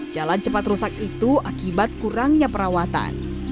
jalan cepat rusak itu akibat kurangnya perawatan